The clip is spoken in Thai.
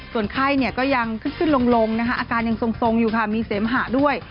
ส่วนไข้ก็ยังขึ้นลงนะคะอาการยังทรงอยู่ค่ะมีเสมหะด้วย